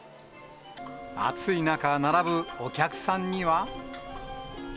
暑い中、並ぶお客さんには。